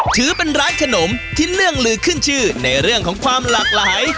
ถือเป็นร้านขนมที่เนื่องลือขึ้นชื่อในเรื่องของความหลากหลาย